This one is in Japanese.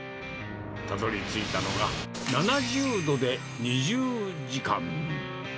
たどりついたのが、７０度で２０時間。